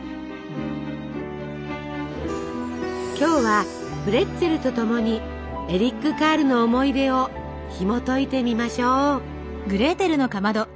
今日はプレッツェルとともにエリック・カールの思い出をひもといてみましょう。